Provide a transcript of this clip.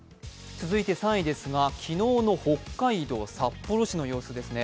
続いて３位ですが、昨日の北海道札幌市の様子ですね。